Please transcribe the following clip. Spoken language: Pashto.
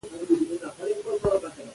په افغانستان کې د سیندونه منابع شته.